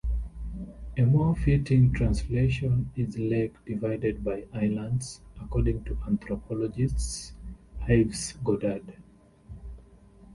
A more fitting translation is "lake divided by islands", according to anthropologist Ives Goddard.